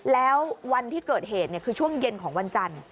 แล้ววันที่เกิดเหตุคือช่วงเย็นของวันจันทร์